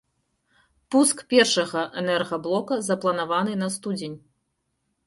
Пуск першага энергаблока запланаваны на студзень.